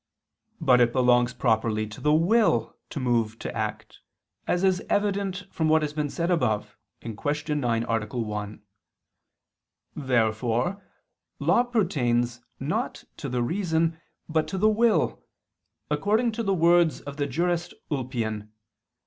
But it belongs properly to the will to move to act, as is evident from what has been said above (Q. 9, A. 1). Therefore law pertains, not to the reason, but to the will; according to the words of the Jurist (Lib. i, ff., De Const. Prin.